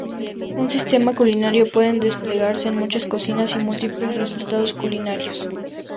Un sistema culinario pueden desplegarse en muchas cocinas y múltiples resultados culinarios.